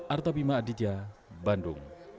artabima aditya bandung